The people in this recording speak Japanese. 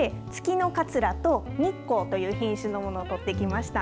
月の桂と、日光という品種のものを撮ってきました。